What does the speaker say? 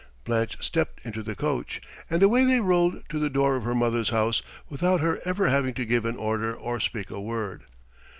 Blanche stepped into the coach, and away they rolled to the door of her mother's house without her ever having to give an order or speak a word.